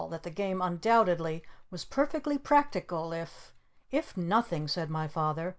That the Game undoubtedly was perfectly practical if "If nothing!" said my Father.